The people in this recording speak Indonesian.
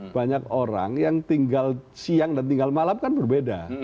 banyak orang yang tinggal siang dan tinggal malam kan berbeda